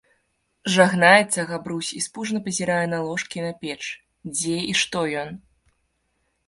Жагнаецца Габрусь i спужана пазiрае на ложкi i на печ, дзе i што ён?